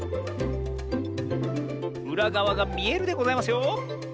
うらがわがみえるでございますよ！